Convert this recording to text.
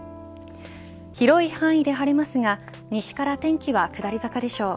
広い範囲で晴れますが西から天気は下り坂でしょう。